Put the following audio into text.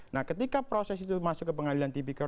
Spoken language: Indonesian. nah ketika proses itu masuk ke pengadilan tipikor